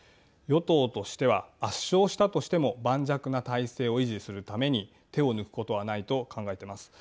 与党としては圧勝したとしても盤石な体制を維持するために手を抜くことはないと考えています。